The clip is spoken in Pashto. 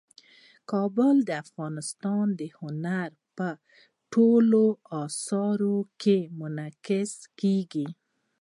کابل د افغانستان د هنر په ټولو اثارو کې منعکس کېږي.